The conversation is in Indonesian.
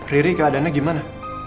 riri keadaannya gimana